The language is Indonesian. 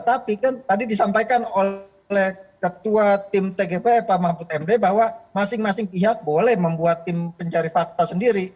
tapi kan tadi disampaikan oleh ketua tim tgpf pak mahfud md bahwa masing masing pihak boleh membuat tim pencari fakta sendiri